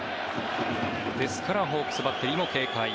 ですからホークスバッテリーも警戒。